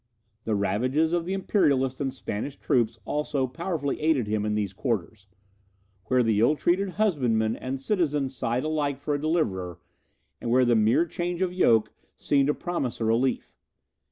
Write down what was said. The ravages of the Imperialist and Spanish troops also powerfully aided him in these quarters; where the ill treated husbandman and citizen sighed alike for a deliverer, and where the mere change of yoke seemed to promise a relief.